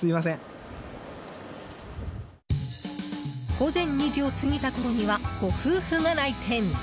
午前２時を過ぎたころにはご夫婦が来店。